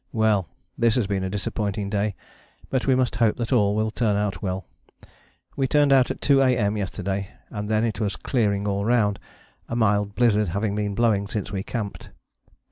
_ Well! this has been a disappointing day, but we must hope that all will turn out well. We turned out at 2 A.M. yesterday and then it was clearing all round, a mild blizzard having been blowing since we camped.